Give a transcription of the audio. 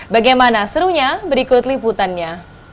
bagaimana serunya berikut liputannya